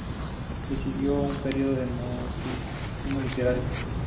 Le siguió un período de mutismo literario.